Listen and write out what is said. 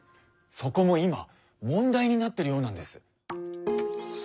そこも今問題になってるようなんです。